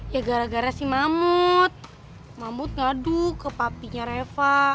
ya gara gara si mamut mamut ngaduk ke papinya reva